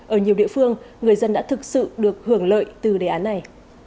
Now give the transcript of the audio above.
ở nhiều địa phương người dân đã thực sự được hưởng lợi từ đề án này